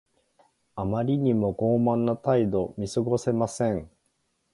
あまりにも傲慢な態度。見過ごせません。